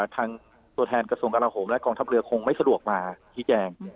ตัวแทนกระทรวงกระลาโหมและกองทัพเรือคงไม่สะดวกมาชี้แจง